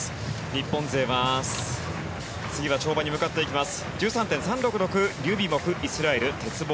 日本勢は次は跳馬に向かっていきます。